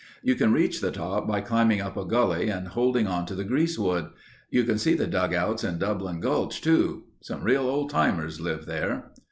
"You can reach the top by climbing up a gully and holding on to the greasewood. You can see the dugouts in Dublin Gulch too. Some real old timers live there."